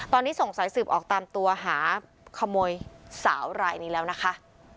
ตอนนี้ส่งสายสืบออกตามตัวหาขโมยสาวรายนี้แล้วนะคะ